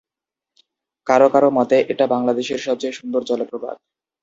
কারো কারো মতে এটা বাংলাদেশের সবচেয়ে সুন্দর জলপ্রপাত।